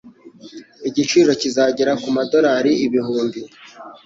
Igiciro kizagera kumadorari ibihumbi.